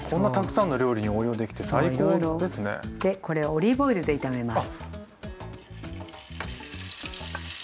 これオリーブオイルで炒めます。